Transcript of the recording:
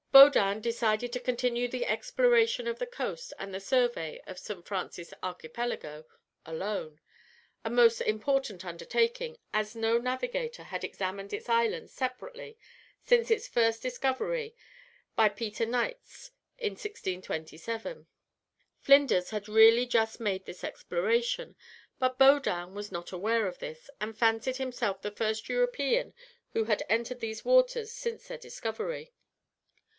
Baudin decided to continue the exploration of the coast and the survey of St. Francis Archipelago alone a most important undertaking, as no navigator had examined its islands separately since its first discovery by Peter Nuyts in 1627. Flinders had really just made this exploration; but Baudin was not aware of this, and fancied himself the first European who had entered these waters since their discovery.